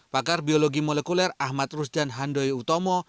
pakar biologi molekuler ahmad rusdan handoyo utomo